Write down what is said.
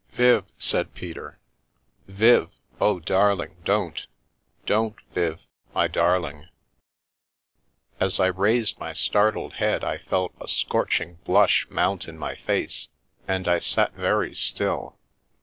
" Viv !" said Peter, " Viv !— oh, darling, don't. Don't, Viv, my darling " As I raised my startled head I felt a scorching blush mount in my face, and I sat very still.